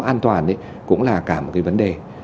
an toàn cũng là cả một cái vấn đề